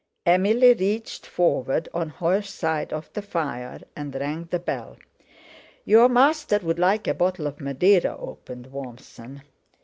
Emily reached forward on her side of the fire and rang the bell. "Your master would like a bottle of Madeira opened, Warmson."